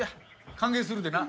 歓迎するでな。